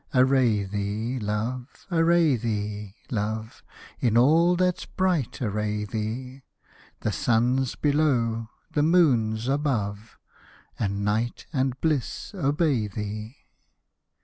Array thee, love, array thee, love, In all that's bright array thee ; The sun's below — the moon's above — And Night and Bhss obey thee.